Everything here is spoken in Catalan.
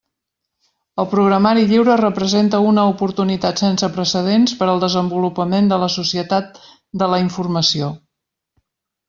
El programari lliure representa una oportunitat sense precedents per al desenvolupament de la societat de la informació.